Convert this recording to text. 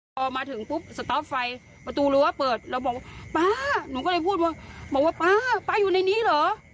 พอมาถึงปุ๊บสต๊อฟไฟประตูรั้วเปิดเราบอกว่าป๊าหนูก็เลยพูดว่าบอกว่าป้าอยู่ในนี้เหรอ